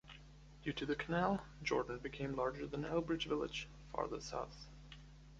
Due to the canal, Jordan became larger than Elbridge Village, farther south.